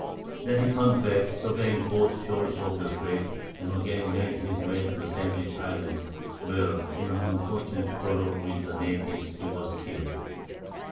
Then he turned back, surveying both shores of the strait, and again made his way to the Sandwich Islands, where, in an unfortunate quarrel with the natives, he was killed.